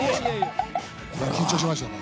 緊張しましたね。